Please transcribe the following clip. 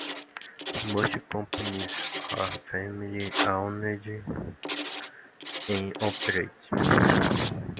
Most companies are family owned and operated.